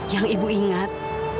yang ibu ingat